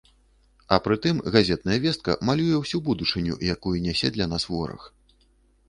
А прытым, газетная вестка малюе ўсю будучыню, якую нясе для нас вораг.